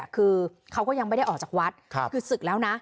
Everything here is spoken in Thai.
คือเขาก็ยังไม่ได้ออกจากวัดคือศึกแล้วนะ